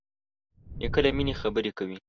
نیکه له مینې خبرې کوي.